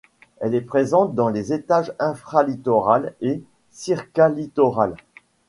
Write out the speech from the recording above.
Elle est présente dans les étages infralittoral et cicarlittoral.